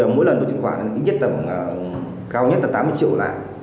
mỗi lần tôi truyền khoản ít nhất tầm cao nhất là tám mươi triệu lại